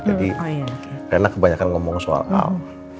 jadi rena kebanyakan ngomong soal al